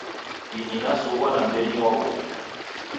Ini nazughwa na mbenyi w'aghuda.